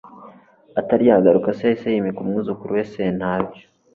atari yagaruka se yahise yimika umwuzukuru we sentabyo